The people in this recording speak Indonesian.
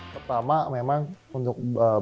pertama memang untuk berpengalaman